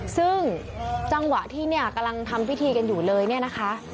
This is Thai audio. ซึ่งจังหวะที่กำลังทำพิธีกันอยู่เลยนะคะ